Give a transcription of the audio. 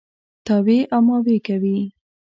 تاوې او ماوې کوي.